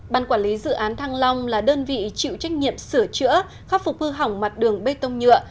ban quản lý dự án thăng long là đơn vị chịu trách nhiệm sửa chữa khắc phục hư hỏng mặt đường bê tông nhựa